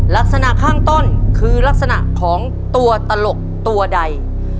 ลักษณะข้างต้นคือลักษณะของตัวตลกตัวใด